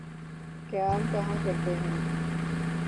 قیام کہاں کرتے ہیں؟